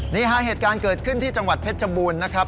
นี่ฮะเหตุการณ์เกิดขึ้นที่จังหวัดเพชรบูรณ์นะครับ